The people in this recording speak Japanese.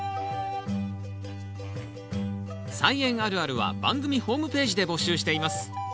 「菜園あるある」は番組ホームページで募集しています。